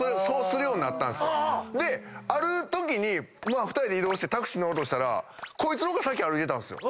であるときに２人で移動してタクシー乗ろうとしたらこいつのが先歩いてたんすよ。